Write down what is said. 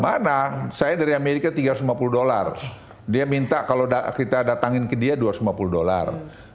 mana saya dari amerika tiga ratus lima puluh dolar dia minta kalau kita datangin ke dia dua ratus lima puluh dolar